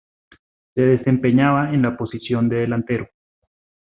Se desempeñaba en la posición de delantero.